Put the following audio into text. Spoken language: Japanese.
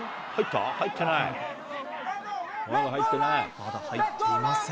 まだ入っていません。